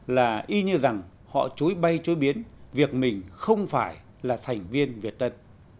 là y như rằng họ chối bay chối biến việc mình không phải là thành viên việt tân